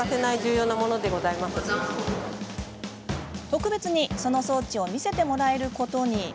特別に、その装置を見せてもらえることに。